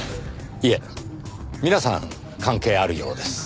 いえ皆さん関係あるようです。